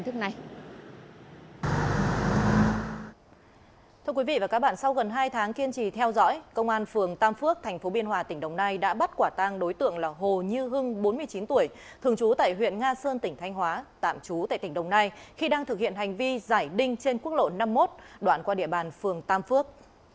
quý vị và các bạn sau gần hai tháng kiên trì theo dõi công an phường tam phước thành phố biên hòa tỉnh đồng nai đã bắt quả tang đối tượng là hồ như hưng bốn mươi chín tuổi thường trú tại huyện nga sơn tỉnh thanh hóa tạm trú tại tỉnh đồng nai khi đang thực hiện hành vi giải đinh trên quốc lộ năm mươi một đoạn qua địa bàn phường tam phước